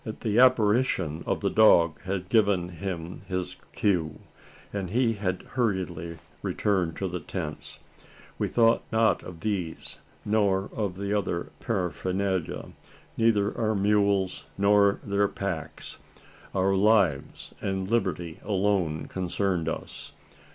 The apparition of the dog had given him his cue; and he had hurriedly returned to the tents. We thought not of these, nor of the other paraphernalia neither our mules nor their packs. Our lives and liberty alone concerned us.